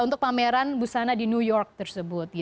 untuk pameran busana di new york tersebut